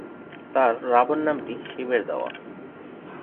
তার রাবণ নামটি শিবের দেওয়া।